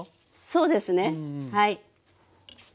そうですねはい。